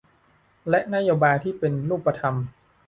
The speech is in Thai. และนโยบายที่เป็นรูปธรรม